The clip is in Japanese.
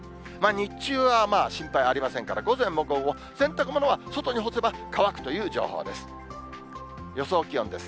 日中は心配ありませんから、午前も午後も、洗濯物は外に干せば、乾くという情報です。